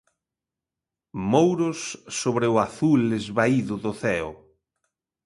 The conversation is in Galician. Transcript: Mouros sobre o azul esvaído do ceo.